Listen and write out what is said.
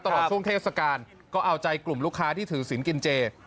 ตลอดช่วงเทศกาลก็เอาใจกลุ่มลูกค้าที่ถือศิลป์กินเจ